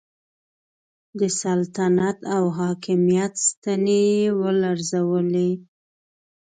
د سلطنت او حاکمیت ستنې یې ولړزولې.